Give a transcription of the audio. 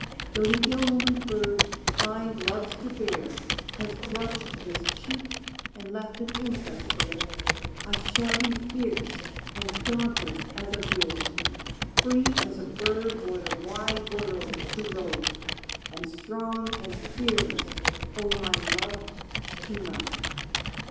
Though the ill omened bird Time loves to bear Has brushed this cheek and left an impress there I shall be fierce and dauntless as of yore, Free as a bird o'er the wide world to rove, And strong and fearless, O my Love, to love.